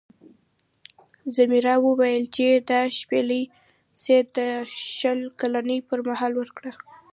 ځمیرا وویل چې دا شپیلۍ سید ته د شل کلنۍ پر مهال ورکړه.